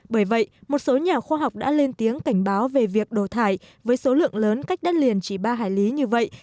bởi vậy một số nhà khoa học đã lên tiếng cảnh báo về việc đổ thải với số lượng lớn cách đất liền chỉ ba hải lý như vậy